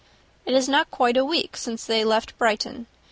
It is not quite a week since they left Brighton.